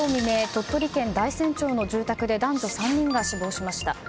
鳥取県大山町の住宅で男女３人が死亡しました。